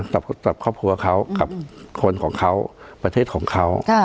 กับครอบครัวเขากับคนของเขาประเทศของเขา